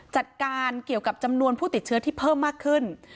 จัดการเกี่ยวกับจำนวนผู้ติดเชื้อที่เพิ่มมากขึ้น